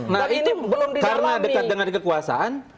nah ini karena dekat dengan kekuasaan